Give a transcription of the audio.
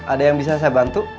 ada yang bisa saya bantu